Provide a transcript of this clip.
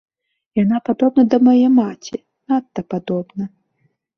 Яна падобна да мае маці, надта падобна.